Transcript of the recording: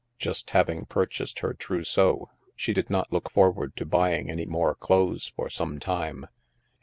Just having purchased her trousseau, • she did not look forward to buying any more clothes for some time.